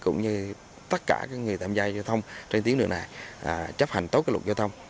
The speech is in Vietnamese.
cũng như tất cả người tham gia giao thông trên tiếng nước này chấp hành tốt luật giao thông